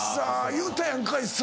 言うたやんかいさ